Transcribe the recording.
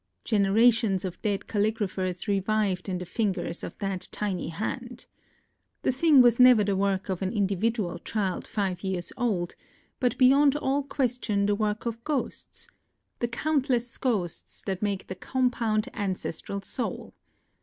Generations of dead calligraphers revived in the fingers of that tiny hand. The thing was never the work of an individual child five years old, but beyond all question the work of ghosts, — the countless ghosts that make the compound ancestral soul.